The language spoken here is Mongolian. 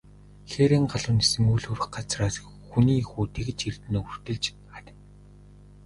Хээрийн галуу нисэн үл хүрэх газраас, хүний хүү тэгж эрдэнэ өвөртөлж харина.